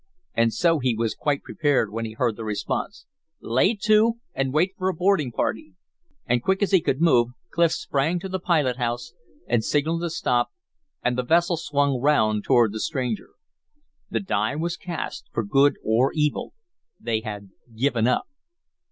And so he was quite prepared when he heard the response: "Lay to and wait for a boarding party." And quick as he could move Clif sprang to the pilot house, and signaled to stop, and the vessel swung round toward the stranger. The die was cast, for good or evil. They had given up!